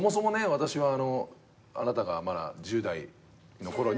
私はあなたがまだ１０代の頃に。